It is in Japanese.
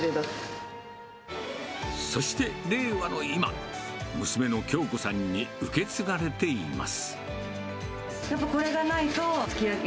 そして令和の今、娘の慶子さんに受け継がれています。